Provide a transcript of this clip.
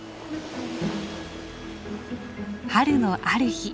春のある日。